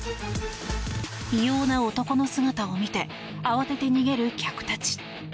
異様な男の姿を見て慌てて逃げる客たち。